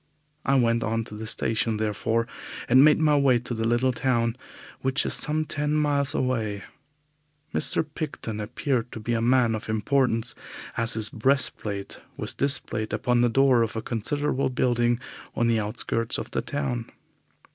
I went on to the station, therefore, and made my way to the little town, which is some ten miles away. Mr. Picton appeared to be a man of importance, as his brass plate was displayed upon the door of a considerable building on the outskirts of the town.